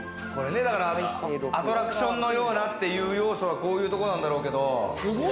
アトラクションのようなという要素はこういうところなんだろうけど。